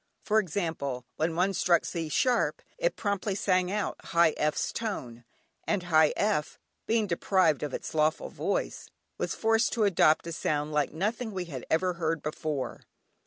For example, when one struck C sharp, it promptly sang out high F's tone, and high F, being deprived of its lawful voice, was forced to adopt a sound like nothing we had ever heard before.